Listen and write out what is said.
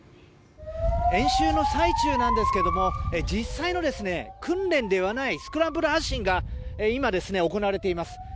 演習の最中なんですけれども実際の訓練ではないスクランブル発進が今、行われています。